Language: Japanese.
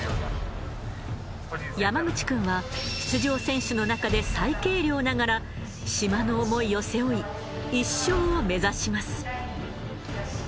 山口君は出場選手の中で最軽量ながら島の想いを背負い１勝を目指します。